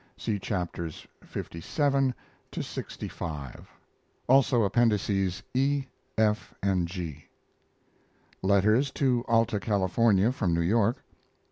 (See Chapters lvii to lxv; also Appendices E, F, and G.) Letters to Alta California from New York.